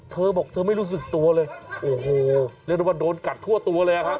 เธอบอกเธอไม่รู้สึกตัวเลยโอ้โหเรียกได้ว่าโดนกัดทั่วตัวเลยครับ